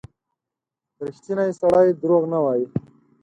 • ریښتینی سړی دروغ نه وايي.